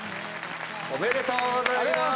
おめでとうございます。